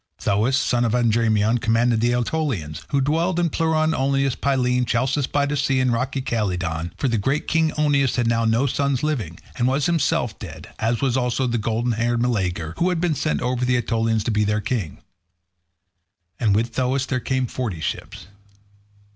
Thoas, son of Andraemon, commanded the Aetolians, who dwelt in Pleuron, Olenus, Pylene, Chalcis by the sea, and rocky Calydon, for the great king Oeneus had now no sons living, and was himself dead, as was also golden haired Meleager, who had been set over the Aetolians to be their king. And with Thoas there came forty ships.